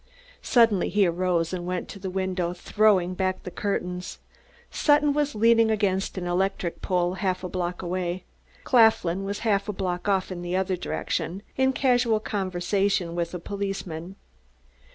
Suddenly he arose and went to the window, throwing back the curtains. Sutton was leaning against an electric light pole, half a block away; Claflin was half a block off in the other direction, in casual conversation with a policeman.